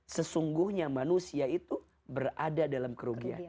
sesungguhnya manusia itu berada dalam kerugian